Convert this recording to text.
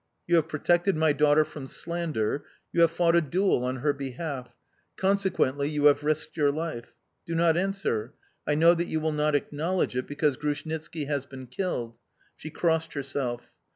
You have protected my daughter from slander, you have fought a duel on her behalf consequently you have risked your life... Do not answer. I know that you will not acknowledge it because Grushnitski has been killed" she crossed herself.